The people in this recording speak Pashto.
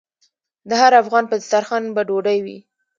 د هر افغان په دسترخان به ډوډۍ وي؟